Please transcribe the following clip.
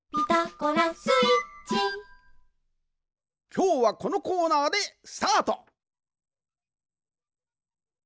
きょうはこのコーナーでスタート！